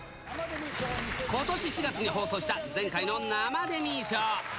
ことし４月に放送した前回の生デミー賞。